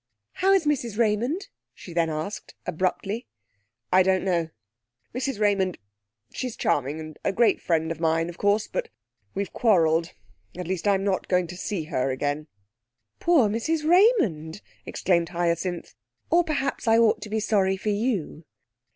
'How is Mrs Raymond?' she then asked abruptly. 'I don't know. Mrs Raymond she's charming, and a great friend of mine, of course; but we've quarrelled. At least I'm not going to see her again.' 'Poor Mrs Raymond!' exclaimed Hyacinth. 'Or perhaps I ought to be sorry for you?'